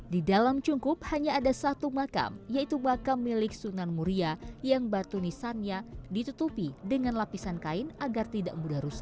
di dalam cungkup hanya ada satu makam yaitu makam milik sunan muria yang batu nisannya ditutupi dengan lapisan kain agar tidak mudah rusak